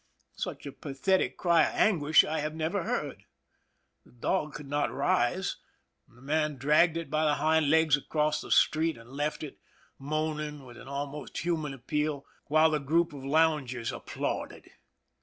Such a pathetic cry of anguish I have never heard. The dog could not rise, and the man dragged it by the hind legs across the street, and left it, moaning with an almost human appeal, while the group of loungers applauded.